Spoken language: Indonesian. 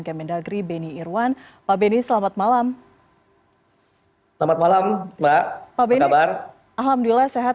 kemendagri beni irwan pak benny selamat malam selamat malam pak pak benny alhamdulillah sehat